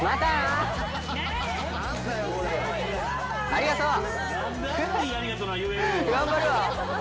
ありがとう！